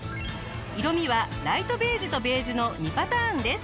色味はライトベージュとベージュの２パターンです。